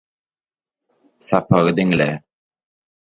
Sapagy diňle